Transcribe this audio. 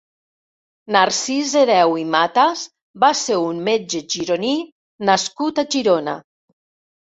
Narcís Hereu i Matas va ser un metge gironí nascut a Girona.